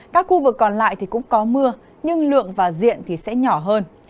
các khu vực còn lại thì cũng có mưa nhưng lượng và diện thì sẽ nhỏ hơn